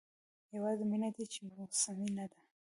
یوازې مینه ده چې موسمي نه ده.